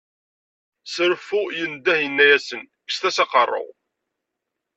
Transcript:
S reffu yendeh yenna-asen, kkset-as aqerru.